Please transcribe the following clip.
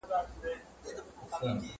زه بايد چپنه پاک کړم.